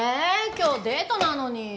今日デートなのに。